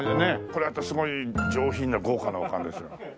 これあったらすごい上品で豪華なお棺ですよ。